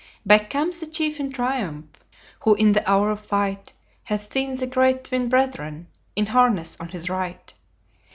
"Back comes the chief in triumph Who in the hour of fight Hath seen the great Twin Brethren In harness on his right.